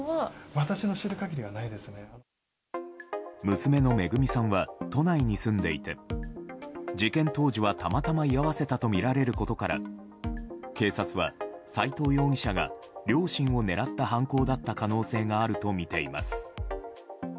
娘の恵さんは都内に住んでいて事件当時は、たまたま居合わせたとみられることから警察は、斎藤容疑者が両親を狙った犯行だった可能性があるとみています。